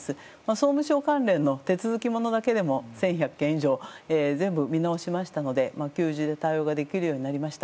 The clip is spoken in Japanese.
総務省関連の手続きものだけでも１１００件以上全部見直しましたので旧氏で対応できるようになりました。